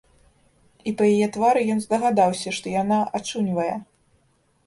І па яе твары ён здагадаўся, што яна ачуньвае.